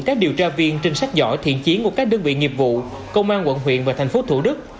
các điều tra viên trinh sát giỏi thiện chiến của các đơn vị nghiệp vụ công an quận huyện và thành phố thủ đức